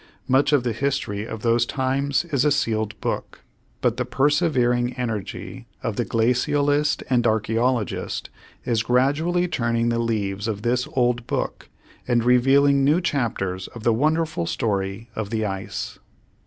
Much of the history of those times is a sealed book, but the persevering energy of the glacialist and archæologist is gradually turning the leaves of this old book and revealing new chapters of the wonderful story of the ice.